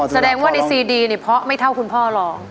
แสดงว่าในซีดีเนี่ยเพราะไม่เท่าคุณพ่อร้อง